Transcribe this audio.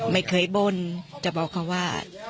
ไม่เคยบ่นจะบอกเขาว่า